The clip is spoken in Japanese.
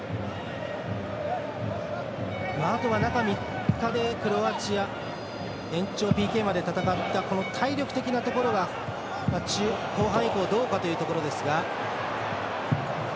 あとは、中３日でクロアチア延長ＰＫまで戦ったこの体力的なところが後半以降どうかというところですか。